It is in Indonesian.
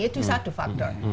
itu satu faktor